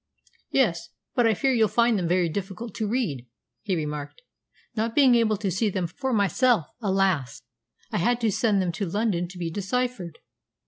"Yes; but I fear you'll find them very difficult to read," he remarked. "Not being able to see them for myself, alas! I had to send them to London to be deciphered."